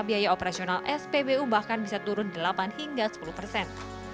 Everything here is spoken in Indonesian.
biaya operasional spbu bahkan bisa turun delapan hingga sepuluh persen